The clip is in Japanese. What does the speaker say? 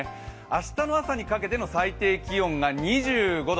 明日の朝にかけての最低気温が２５度。